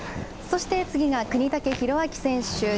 そして、次が國武大晃選手。